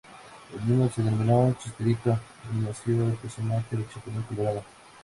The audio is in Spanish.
El mismo se denominó "Chespirito" y nació el personaje del Chapulín Colorado.